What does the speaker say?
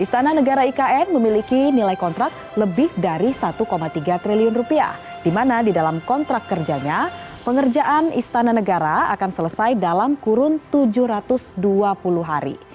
istana negara ikn memiliki nilai kontrak lebih dari satu tiga triliun di mana di dalam kontrak kerjanya pengerjaan istana negara akan selesai dalam kurun tujuh ratus dua puluh hari